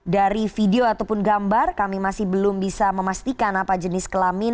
dari video ataupun gambar kami masih belum bisa memastikan apa jenis kelamin